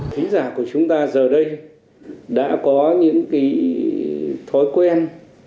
khán giả của chúng ta giờ đây đã có những cái thói quen